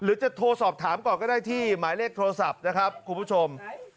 จะโทรสอบถามก่อนก็ได้ที่หมายเลขโทรศัพท์นะครับคุณผู้ชม